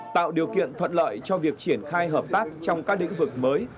tạo điều kiện thuận lợi cho việc triển khai hợp tác trong các lĩnh vực mới